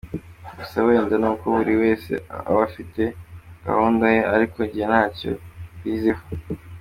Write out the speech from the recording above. Gusa wenda n’uko buri wese aba afite gahunda ye, ariko jye ntacyo mbiziho.